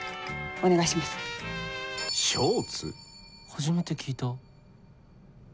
初めて聞いた